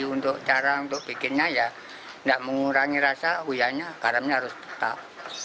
untuk cara untuk bikinnya ya tidak mengurangi rasa uyanya garamnya harus tetap